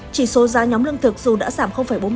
chỉ số giá nhóm lương thực dù đã giảm bốn mươi